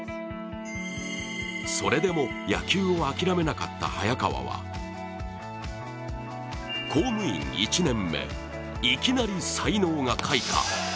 それでも野球を諦めなかった早川は公務員１年目、いきなり才能が開花。